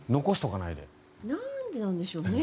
なんでなんでしょうね。